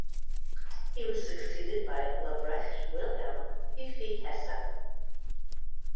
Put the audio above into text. He was succeeded by Lebrecht Wilhem Fifi Hesse.